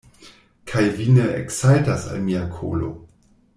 Kaj vi ne eksaltas al mia kolo!